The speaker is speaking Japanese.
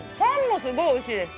おいしい。